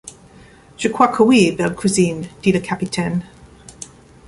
Je crois que oui, belle cousine, dit le capitaine.